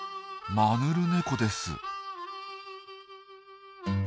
マヌルネコです。